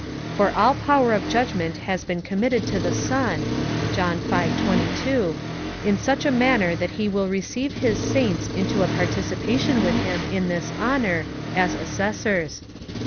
For all power of judgment has been committed to the Son, (John V. 22,) in such a manner that he will receive his saints into a participation with him in this honour, as assessors.